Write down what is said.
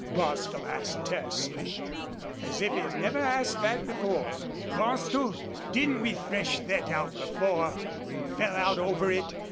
Bostil asked, tersely,' as if he had never asked that before. "Bostil, didn't we thresh thet out before an' FELL out over it?"